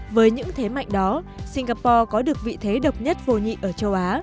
với những thế mạnh đó singapore có được vị thế độc nhất vô nhị ở châu á